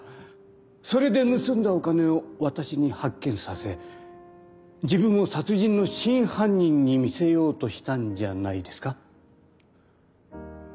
それで盗んだお金を私に発見させ自分を殺人の真犯人に見せようとしたんじゃないですか？